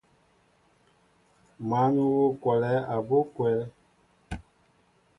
Măn yu a kolɛɛ abú kwɛl.